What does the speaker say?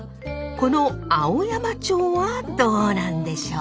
この「青山町」はどうなんでしょう？